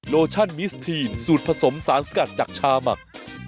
โลชั่นมิสทีนสูตรผสมสารสกัดจากชาหมัก